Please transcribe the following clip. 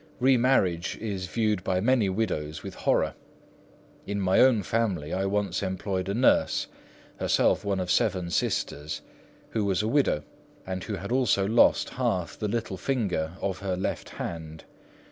Remarriage is viewed by many widows with horror. In my own family I once employed a nurse—herself one of seven sisters—who was a widow, and who had also lost half the little finger of her left hand.